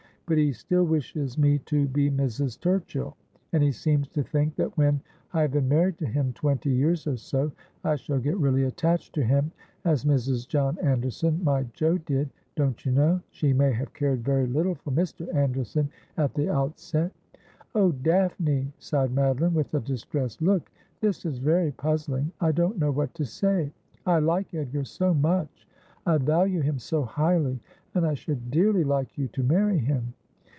But he still wishes ' For I wol gladly yelden Hire my Place.' 239 me to be Mrs. Turchill ; and lie seems to think that when I have been married to him twenty years or so I shall get really attached to him— as Mrs. John Anderson, my Jo, did, don't you know? She may have cared very little for Mr. Anderson at the outset.' ' Oh, Daphne,' sighed Madoline, with a distressed look, ' this is very puzzling. I don't know what to say. I like Edgar so much — I value him so highly — and I should dearly like you to marry him.'